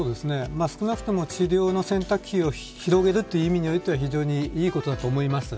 少なくとも、治療の選択肢を広げるという意味においては非常にいいことだと思います。